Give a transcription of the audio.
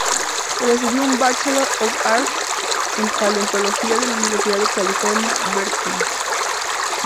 Recibió un Bachelor of Arts en paleontología de la Universidad de California, Berkeley.